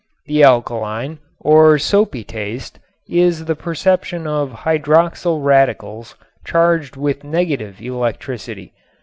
The alkaline, or soapy taste, is the perception of hydroxyl radicles charged with negative electricity.